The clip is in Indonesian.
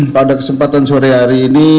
pada kesempatan sore hari ini